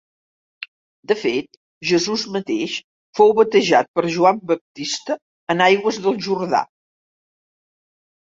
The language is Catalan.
De fet, Jesús mateix fou batejat per Joan Baptista en aigües del Jordà.